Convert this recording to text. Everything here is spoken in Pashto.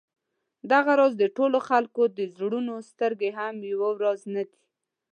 دغه راز د ټولو خلکو د زړونو سترګې هم یو راز نه دي.